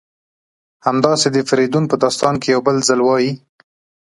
همداسې د فریدون په داستان کې یو بل ځل وایي: